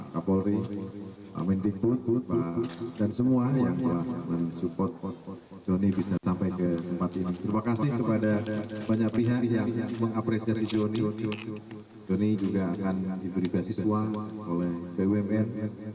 joni juga akan diberi basis oleh bumn